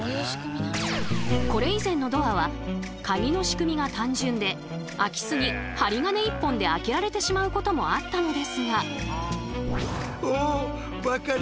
これ以前のドアはカギの仕組みが単純で空き巣に針金１本で開けられてしまうこともあったのですが。